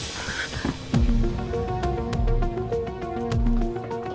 tapi sekarang aku saja udah habis